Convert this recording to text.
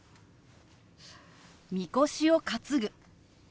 「みこしを担ぐ」。